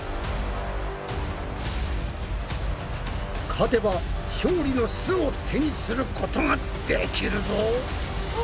勝てば勝利の「す」を手にすることができるぞ。